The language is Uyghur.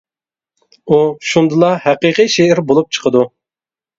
ئۇ شۇندىلا ھەقىقىي شېئىر بولۇپ چىقىدۇ.